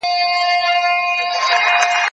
زه له سهاره پلان جوړوم؟